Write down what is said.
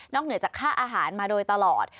เหนือจากค่าอาหารมาโดยตลอด